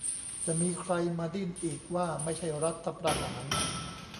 จะมีใครมาดิ้นอีกว่าไม่ใช่รัฐประหาร